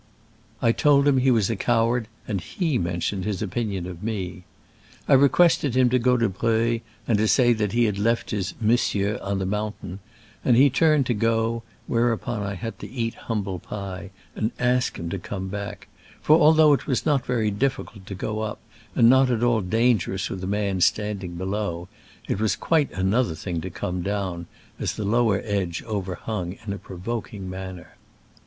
I told him he was a coward, and he mentioned his opinion of me. I requested him to go to Breuil, and to say that he had left his "monsieur" on the mountain, and he turned to go, whereupon I had to eat humble pie and ask him to come back ; for although it was not very difficult to go up, and not at all dangerous with a man standing below, it was quite an other thing to come down, as the lower edge overhung in a provoking manner.